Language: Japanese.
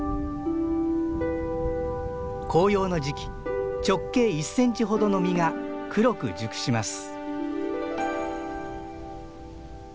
紅葉の時期直径１センチほどの実が黒く熟します。